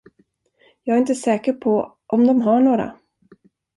Jag är inte säker på om de har några.